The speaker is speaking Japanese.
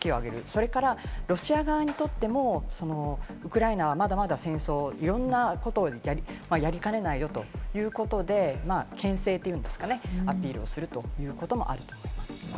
それからロシア側にとってもウクライナはまだまだいろんなことをやりかねないよということで、けん制というんですか、アピールするということもあると思います。